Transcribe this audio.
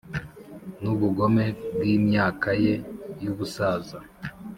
nubugome bwimyaka ye y'ubusaza.